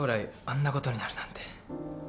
あんなことになるなんて。